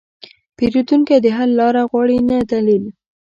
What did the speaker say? پیرودونکی د حل لاره غواړي، نه دلیل.